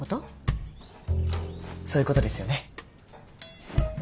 そういう事ですよね？